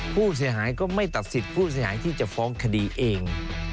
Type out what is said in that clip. ผู้เสียหายก็ไม่ตัดสิทธิ์ผู้เสียหายที่จะฟ้องคดีเอง